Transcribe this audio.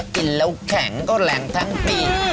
กินแล้วแข็งก็แรงทั้งปี